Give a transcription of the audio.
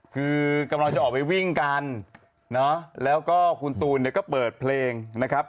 คือกำลังจะออกไปวิ่งกันเนอะแล้วก็คุณตูนเนี่ยก็เปิดเพลงนะครับ